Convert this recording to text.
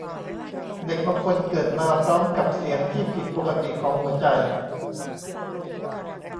เด็กบางคนเกิดมาพร้อมกับเสียงที่ผิดปกติของหัวใจ